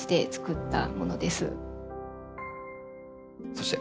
そして。